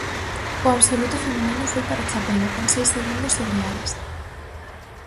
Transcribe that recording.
O absoluto feminino foi para Chapela, con seis segundos sobre Ares.